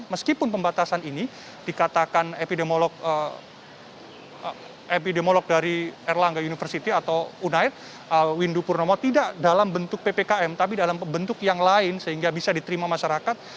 meskipun pembatasan ini dikatakan epidemiolog dari erlangga university atau unair windu purnomo tidak dalam bentuk ppkm tapi dalam bentuk yang lain sehingga bisa diterima masyarakat